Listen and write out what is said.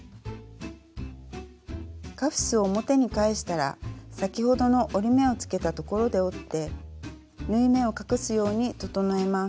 カフスを表に返したら先ほどの折り目をつけたところで折って縫い目を隠すように整えます。